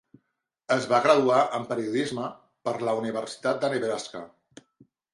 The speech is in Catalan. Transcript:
Es va graduar en periodisme per la Universitat de Nebraska.